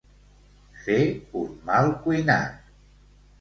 Fer un mal cuinat.